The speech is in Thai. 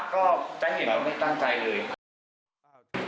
ก็จะเห็นว่าไม่ตั้งใจเลย